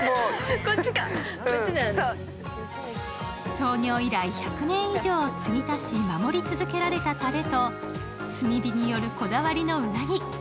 創業以来、１００年以上継ぎ足し守り続けられたタレと、炭火によるこだわりのうなぎ。